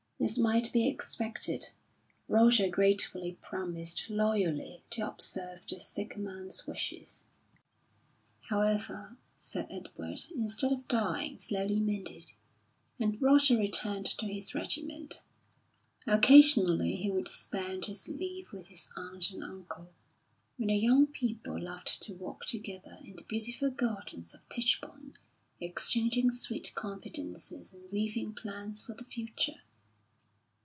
As might be expected, Roger gratefully promised loyally to observe the sick man's wishes. However, Sir Edward, instead of dying, slowly mended, and Roger returned to his regiment. Occasionally he would spend his leave with his aunt and uncle, when the young people loved to walk together in the beautiful gardens of Tichborne exchanging sweet confidences and weaving plans for the future.